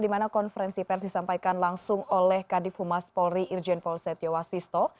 di mana konferensi pers disampaikan langsung oleh kadif humas polri irjen paul setiawasisto